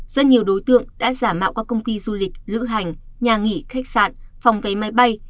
rất nhiều đối tượng đã giả mạo các công ty du lịch lữ hành nhà nghỉ khách sạn phòng vé máy bay